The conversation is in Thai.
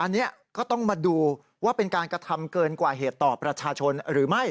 อันนี้ก็ต้องมาดูว่าเป็นการกระทำเกินกว่าเหตุต่อประชาชนหรือไม่